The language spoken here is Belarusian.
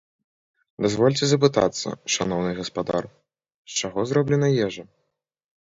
Дазвольце запытацца, шаноўны гаспадар, з чаго зроблена ежа?